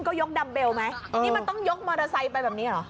ก็ยกดัมเบลไหมนี่มันต้องยกมอเตอร์ไซค์ไปแบบนี้เหรอ